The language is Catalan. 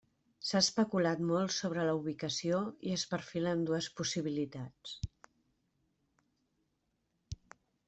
S'ha especulat molt sobre la ubicació i es perfilen dues possibilitats.